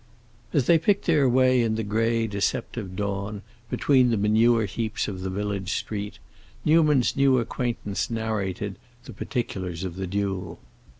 As they picked their way in the gray, deceptive dawn, between the manure heaps of the village street, Newman's new acquaintance narrated the particulars of the duel.